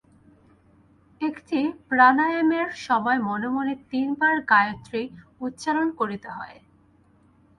একটি প্রাণায়ামের সময় মনে মনে তিনবার গায়ত্রী উচ্চারণ করিতে হয়।